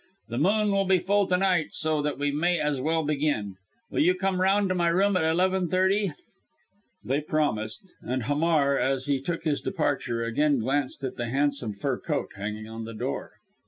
The moon will be full to night so that we may as well begin. Will you come round to my room at eleven thirty?" They promised; and Hamar, as he took his departure, again glanced at the handsome fur coat hanging on the door.